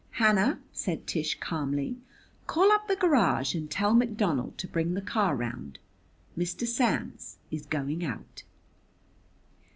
"Hannah," said Tish calmly, "call up the garage and tell McDonald to bring the car round. Mr. Sands is going out."